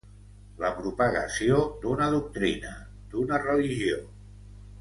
La propagació d'una doctrina, d'una religió.